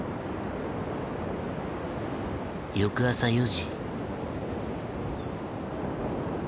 翌朝４時。